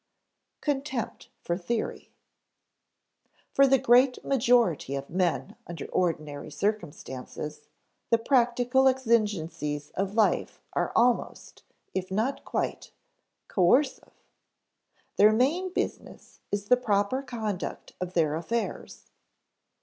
[Sidenote: Contempt for theory] For the great majority of men under ordinary circumstances, the practical exigencies of life are almost, if not quite, coercive. Their main business is the proper conduct of their affairs.